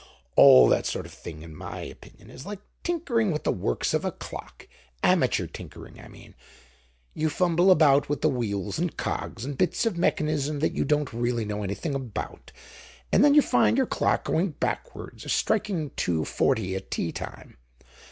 All that sort of thing, in my opinion, is like tinkering with the works of a clock—amateur tinkering, I mean. You fumble about with the wheels and cogs and bits of mechanism that you don't really know anything about; and then you find your clock going backwards or striking 240 at tea time.